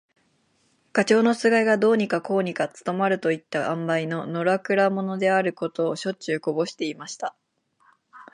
ガチョウの番がどうにかこうにか務まるといった塩梅の、のらくら者であることを、しょっちゅうこぼしていました。